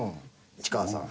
市川さん。